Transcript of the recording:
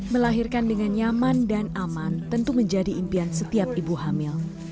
melahirkan dengan nyaman dan aman tentu menjadi impian setiap ibu hamil